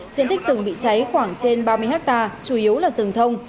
diện tích rừng bị cháy khoảng trên ba mươi hectare chủ yếu là rừng thông